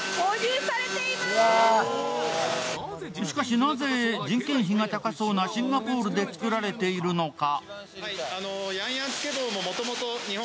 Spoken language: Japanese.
しかし、なぜ人件費が高そうなシンガポールで作られているのか。